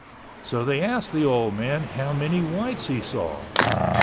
So they asked the old man how many whites he saw.